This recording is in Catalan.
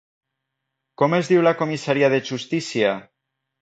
Com es diu la comissària de Justícia?